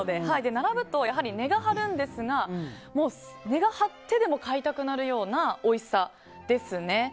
並ぶとやはり値が張るんですが値が張ってでも買いたくなるようなおいしさですね。